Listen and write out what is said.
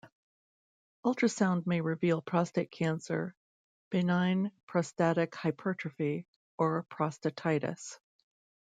Ultrasound may reveal prostate cancer, benign prostatic hypertrophy, or prostatitis.